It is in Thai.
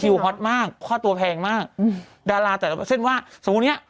ฮอตมากค่าตัวแพงมากอืมดาราแต่ละเส้นว่าสมมุติเนี้ย